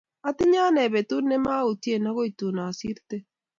Atinye ane betut nimautie akoi tun asirte.